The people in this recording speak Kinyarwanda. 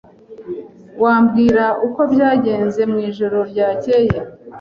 Wambwira uko byagenze mwijoro ryakeye?